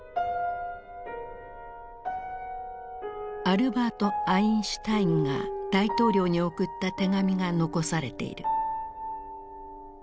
アルバート・アインシュタインが大統領に送った手紙が残されている。